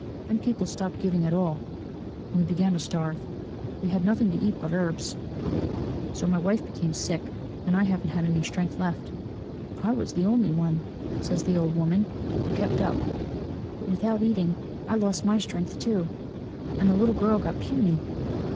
Then people stopped giving at all and we began to starve. We had nothing to eat but herbs. So my wife became sick and I haven't any strength left.'' "I was the only one," says the old woman, "who kept up. But without eating I lost my strength too, and the little girl got puny.